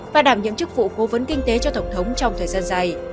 và đảm những chức vụ phố vấn kinh tế cho tổng thống trong thời gian dài